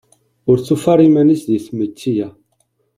Ur tufi ara iman-is di tmetti-a.